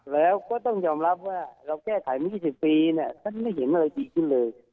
แล้วก็ต้องยอมรับว่าเราแก้ไขมา๒๐ปีเนี่ยท่านไม่เห็นอะไรดีขึ้นเลย